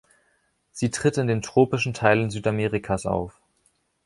Sie tritt in den tropischen Teilen Südamerikas auf.